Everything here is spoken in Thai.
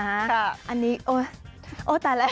อันนี้โอ๊ยตายแล้ว